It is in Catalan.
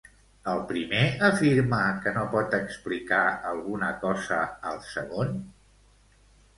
El primer afirma que no pot explicar alguna cosa al segon?